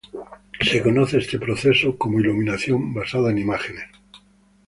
Este proceso es conocido como Iluminación basada en imágenes.